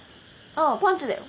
ああパンチだよ。